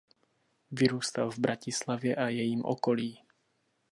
Vyrůstal v Bratislavě a jejím okolí.